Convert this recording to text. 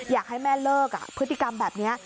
อยากให้แม่เลิกพฤติกรรมแบบนี้